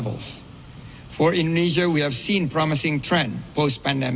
untuk indonesia kita telah melihat trend berharga setelah pandemi